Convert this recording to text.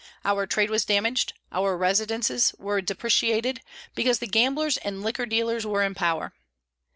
Our trade was damaged, our residences were depreciated, because the gamblers and liquor dealers were in power.